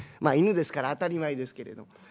まあ犬ですから当たり前ですけれども。